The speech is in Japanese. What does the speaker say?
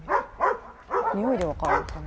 においで分かるのかな？